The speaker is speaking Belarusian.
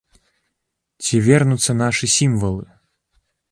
Ці вернуцца нашы сімвалы?